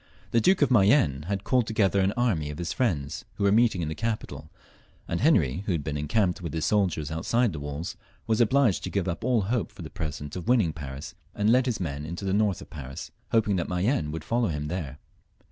The Duke of Mayenne had called together an army of his friends, who were meeting in the capital, and Henry, who had been encamped with his soldiers outside the walls, was obliged to give up all hopes for the present of winning Paris, and led his men into the north of France, hoping that Mayenne would follow him there.